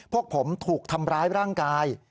พวกผมถูกทำร้ายร่างกาย